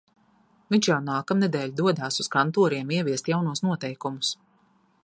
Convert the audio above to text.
Viņš jau nākamnedēļ dodas uz kantoriem ieviest jaunos noteikumus.